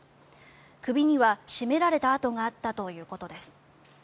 首には絞められた痕があったということです。